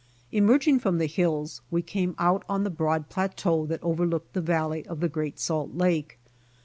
Emerging from the hills we came out on the broad plateau that overlooked the valley of the Great Salt Lake.